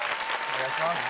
お願いします